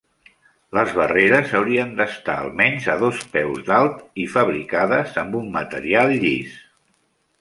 Les barreres haurien d'estar almenys a dos peus d'alt i fabricades amb un material llis.